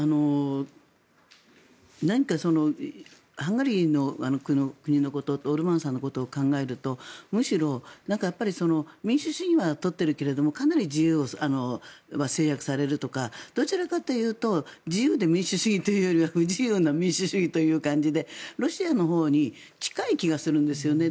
何かハンガリーの国のことオルバンさんのことを考えるとむしろ民主主義を取っているけれどかなり自由は制約されるとかどちらかというと自由で民主主義というよりは不自由な民主主義という感じでロシアのほうに近い気がするんですよね。